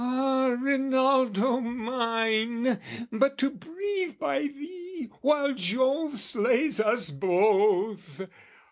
"Ah, Rinaldo mine! "But to breathe by thee while Jove slays us both!"